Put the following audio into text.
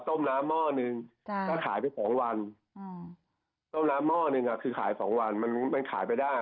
ต้มน้ำม่อนึงก็ขายไปสองวันต้มน้ำม่อนึงอ่ะคือขายสองวันมันมันขายไปได้อ่ะ